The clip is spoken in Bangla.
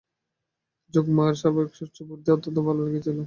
যোগমায়ার স্বাভাবিক স্বচ্ছ বুদ্ধি তাঁকে অত্যন্ত ভালো লেগেছিল।